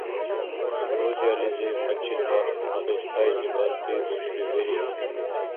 Грузиялизиб хӀечил барх Дагъистайзибадти уршби бирив?